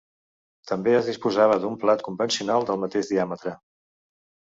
També es disposava d'un plat convencional del mateix diàmetre.